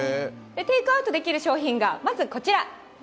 テイクアウトできる商品がまずこちら。